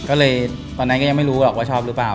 ก็เลยตอนนั้นก็ยังไม่รู้หรอกว่าชอบหรือเปล่า